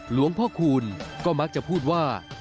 หลวงพ่อคูณก็มักจะพูดว่า